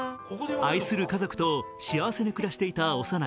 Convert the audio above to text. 愛する家族と幸せに暮らしていた小山内。